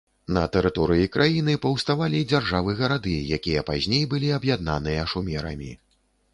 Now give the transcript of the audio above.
На тэрыторыі краіны паўставалі дзяржавы-гарады, якія пазней былі аб'яднаныя шумерамі.